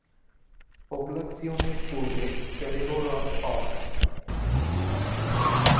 পোবলাসিওনের পূর্বে ক্যালেরো হ্রদ পাওয়া যায়।